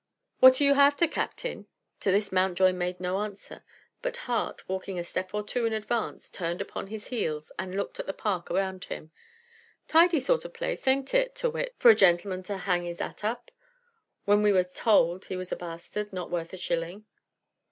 "What are you hafter, captain?" To this Mountjoy made no answer, but Hart, walking a step or two in advance, turned upon his heels and looked at the park around him. "Tidy sort of place, ain't it, Tyrrwhit, for a gentleman to hang his 'at up, when we were told he was a bastard, not worth a shilling?"